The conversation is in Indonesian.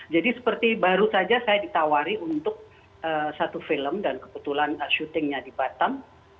jadi seperti baru saja saya ditawari untuk satu film dan kebetulan syutingnya di batam